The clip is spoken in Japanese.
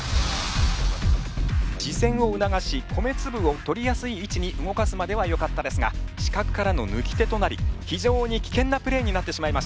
視線を促し米つぶを取りやすい位置に動かすまではよかったですが死角からのぬき手となり非常に危険なプレーになってしまいました。